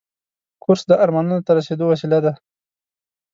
کورس د ارمانونو ته رسیدو وسیله ده.